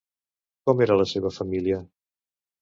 Com era la seva família?